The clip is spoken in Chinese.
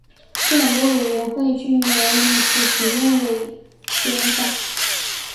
这两个委员会均由李石曾任委员长。